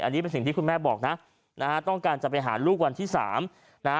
อันนี้เป็นสิ่งที่คุณแม่บอกนะนะฮะต้องการจะไปหาลูกวันที่สามนะฮะ